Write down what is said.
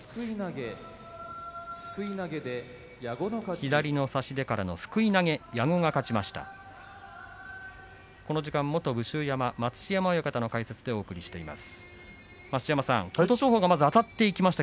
左の差し手からのすくい投げ矢後が勝ちました。